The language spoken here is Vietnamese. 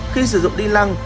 khi sử dụng đinh lăng